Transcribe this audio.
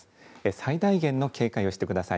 最大限の警戒をしてください。